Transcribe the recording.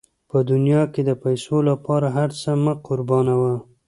په دنیا کې د پیسو لپاره هر څه مه قربانوه.